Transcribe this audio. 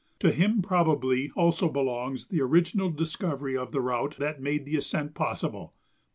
To him probably also belongs the original discovery of the route that made the ascent possible.